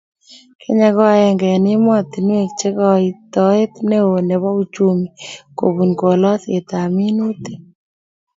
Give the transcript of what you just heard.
Kenya ko agenge eng emotinwekab che koitet neo nebo uchumi kobunu kolsetab minutik